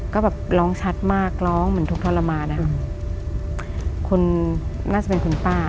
ก็แบบร้องชัดมากร้องเหมือนทุกทรมานอะคนน่าจะเป็นคุณป้า